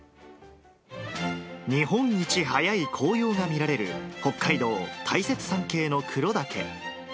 日本一早い紅葉が見られる、北海道大雪山系の黒岳。